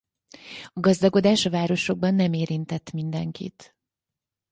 A gazdagodás a városokban nem érintett mindenkit.